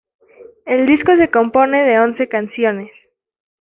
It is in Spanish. El disco se compone de once canciones.